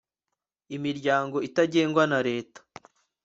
imiryango itagengwa na leta